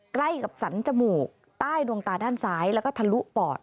ใกล้กับสรรจมูกใต้ดวงตาด้านซ้ายแล้วก็ทะลุปอด